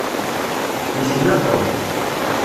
Yekna Tom.